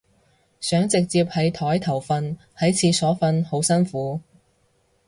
想直接喺枱頭瞓，喺廁所瞓好辛苦